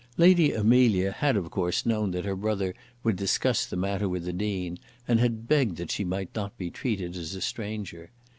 Lady Amelia had of course known that her brother would discuss the matter with the Dean, and had begged that she might not be treated as a stranger.